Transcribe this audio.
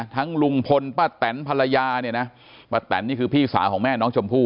ทั้งลุงพลป้าแตนภรรยาป้าแตนนี่คือพี่สาของแม่น้องชมพู่